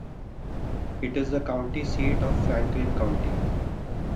It is the county seat of Franklin County.